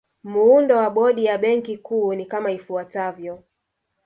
Muundo wa Bodi ya Benki Kuu ni kama ifuatavyo